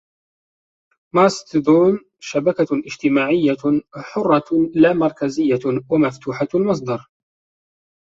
ماستدون شبكة اجتماعية حرة لامركزية و مفتوحة المصدر